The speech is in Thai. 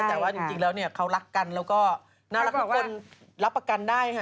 แต่ว่าจริงแล้วเนี่ยเขารักกันแล้วก็น่ารักทุกคนรับประกันได้ค่ะ